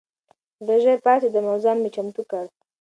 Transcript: زه ژر پاڅېدم او ځان مې چمتو کړ.